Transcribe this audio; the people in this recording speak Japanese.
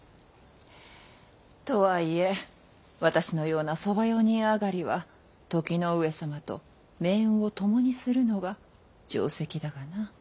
とはいえ私のような側用人上がりは時の上様と命運を共にするのが定石だがな。